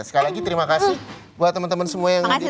sekali lagi terima kasih buat temen temen semua yang ada di sini